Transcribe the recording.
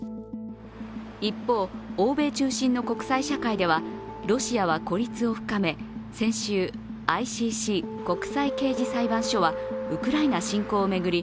一方、欧米中心の国際社会ではロシアは孤立を深め先週、ＩＣＣ＝国際刑事裁判所はウクライナ侵攻を巡り